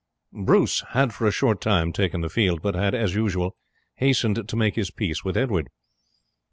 Bruce had for a short time taken the field; but had, as usual, hastened to make his peace with Edward.